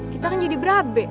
kita kan jadi berabe